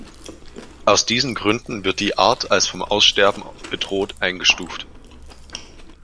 Aus diesen Gründen wird die Art als vom Aussterben bedroht eingestuft.